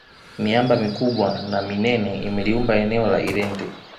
miamba mikubwa na minene imeliumba eneo la irente